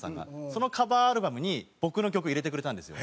そのカバーアルバムに僕の曲入れてくれたんですよ。